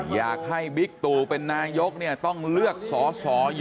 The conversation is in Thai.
อยากให้บิ๊กตู่เป็นนายกต้องเลือกสอสอเยอะ